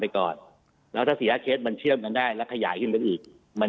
ก่อนแล้วถ้าสี่๕เคสมันเชื่อมกันได้แล้วขยายขึ้นไปอีกมัน